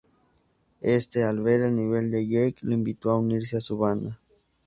Éste, al ver el nivel de Jake, lo invitó a unirse a su banda.